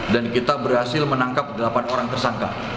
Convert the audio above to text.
kita berhasil menangkap delapan orang tersangka